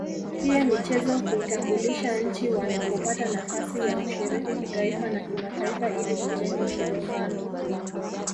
Pia michezo huitambulisha nchi wanapopata nafasi ya kushiriki kitaifa na kimataifa ili kujenga ushirikiano